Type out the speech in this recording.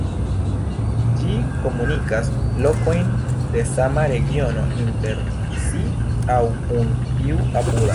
Ĝi komunikas lokojn de sama regiono inter si aŭ kun tiu apuda.